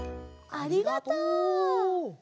ありがとう。